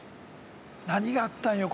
何があったんよ